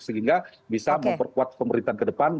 sehingga bisa memperkuat pemerintahan ke depan